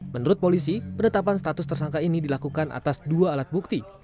menurut polisi penetapan status tersangka ini dilakukan atas dua alat bukti